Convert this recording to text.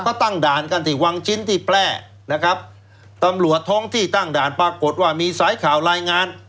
เขาตั้งด่านกันที่วังชิ้นที่แพร่นะครับตำรวจท้องที่ตั้งด่านปรากฏว่ามีสายข่าวรายงาน